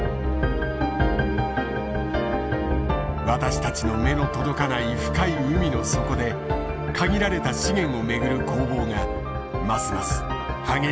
私たちの目の届かない深い海の底で限られた資源をめぐる攻防がますます激しさを増している。